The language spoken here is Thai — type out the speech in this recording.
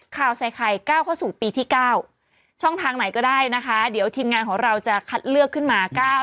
ข่าวใส่ไข่ก้าวเข้าสู่ปีที่๙ช่องทางไหนก็ได้นะคะเดี๋ยวทีมงานของเราจะคัดเลือกขึ้นมา